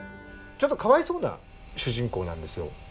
ちょっとかわいそうな主人公なんですよ。